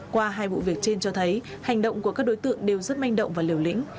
qua hai vụ việc trên cho thấy hành động của các đối tượng đều rất manh động và liều lĩnh